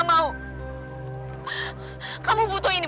balas dendam ini